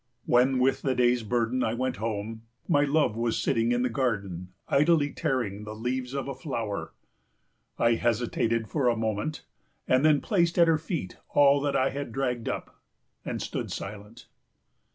When with the day's burden I went home, my love was sitting in the garden idly tearing the leaves of a flower. I hesitated for a moment, and then placed at her feet all that I had dragged up, and stood silent.